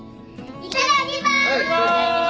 いただきます。